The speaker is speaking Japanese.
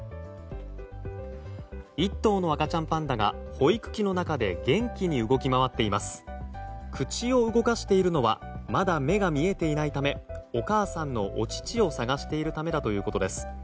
１頭の赤ちゃんパンダが保育器の中で元気に動き回っています。口を動かしているのはまだ目が見えていないためお母さんのお乳を探しているためだということです。